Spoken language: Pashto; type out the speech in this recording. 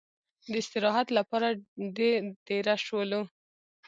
د استراحت لپاره دېره شولو.